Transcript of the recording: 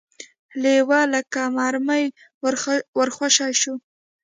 لېوه لکه مرمۍ ور خوشې شو.